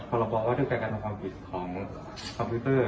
โปรบรรวมวัตถุการณ์การกางความผิดของคอมพิวเตอร์